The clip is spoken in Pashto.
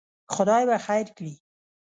خدای به خیر کړي.